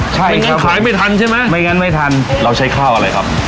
ใช่ครับขายไม่ทันใช่ไหมไม่งั้นไม่ทันเราใช้ข้าวอะไรครับ